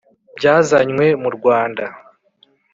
byazanywe mu Rwanda